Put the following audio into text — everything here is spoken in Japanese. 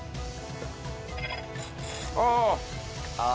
ああ。